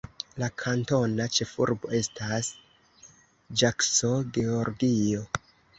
La kantona ĉefurbo estas Jackson, Georgio.